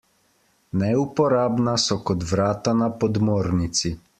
Neuporabna so kot vrata na podmornici.